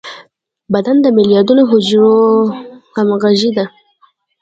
بدن د ملیاردونو حجرو همغږي ده.